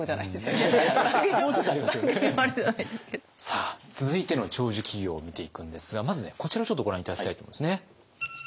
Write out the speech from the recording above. さあ続いての長寿企業を見ていくんですがまずこちらをちょっとご覧頂きたいと思うんですね。